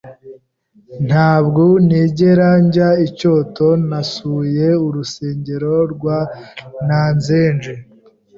Ntabwo nigera njya i Kyoto ntasuye urusengero rwa Nanzenji.